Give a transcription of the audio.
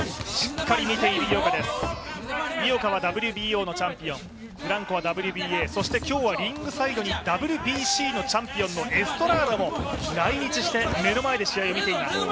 井岡はＷＢＯのチャンピオン、フランコはＷＢＡ、そして今日はリングサイドにＷＢＣのチャンピオンのエストラーダも来日して目の前で試合を見ています。